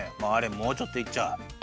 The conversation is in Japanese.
もうちょっといっちゃう。